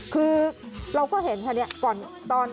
คือเราก็เห็นค่ะเนี่ย